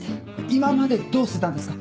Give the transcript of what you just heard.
今までどうしてたんですか？